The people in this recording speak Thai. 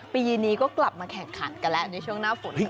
ปีนี้ก็กลับมาแข่งขันกันแล้วในช่วงหน้าฝน